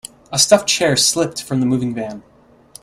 A stuffed chair slipped from the moving van.